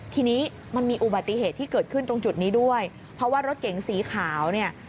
ทีนี้มันมีอุบัติเหตุที่เกิดขึ้นตรงจุดนี้ด้วยเพราะว่ารถเก๋งสีขาวเนี่ย